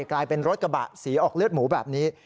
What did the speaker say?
กลายเป็นรถกระบะสีออกเลือดหมูแบบนี้